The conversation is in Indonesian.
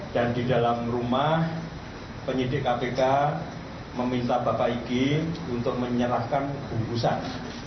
dan di dalam rumah penyidik kpk meminta bapak ig untuk menyerahkan hubusan